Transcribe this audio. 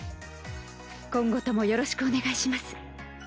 今後ともよろしくお願いします。